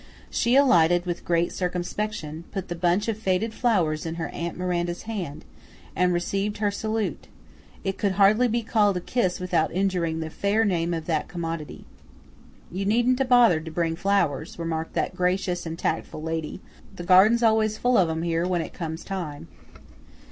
She alighted with great circumspection, put the bunch of faded flowers in her aunt Miranda's hand, and received her salute; it could hardly be called a kiss without injuring the fair name of that commodity. "You needn't 'a' bothered to bring flowers," remarked that gracious and tactful lady; "the garden 's always full of 'em here when it comes time."